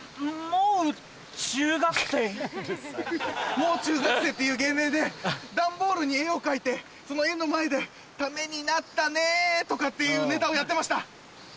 「もう中学生」っていう芸名で段ボールに絵を描いてその絵の前で「ためになったね」とかっていうネタをやってました！